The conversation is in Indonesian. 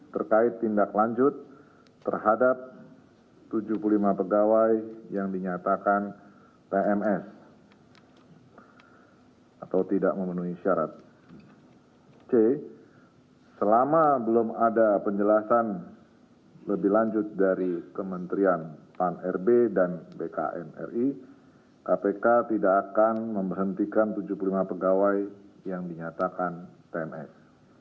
b kpk akan melakukan koordinasi dengan bks